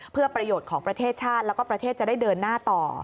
เพื่อประโยชน์ของประเทศชาติแล้วก็ประเทศจะได้เดินหน้าต่อ